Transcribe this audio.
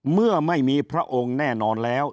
เมื่อไม่มีพระองค์แน่นอนแล้ว